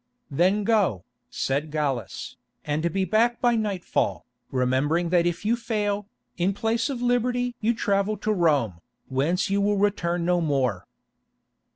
"Then go," said Gallus, "and be back by nightfall, remembering that if you fail, in place of liberty you travel to Rome, whence you will return no more."